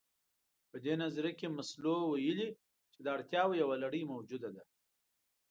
په دې نظريه کې مسلو ويلي چې د اړتياوو يوه لړۍ موجوده ده.